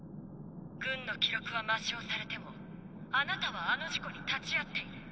軍の記録は抹消されてもあなたはあの事故に立ち会っている。